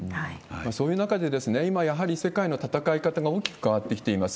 そういう中で、今、やはり世界の戦い方が大きく変わってきています。